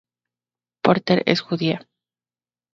Porter es judía.